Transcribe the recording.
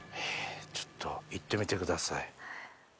ちょっといってみてください。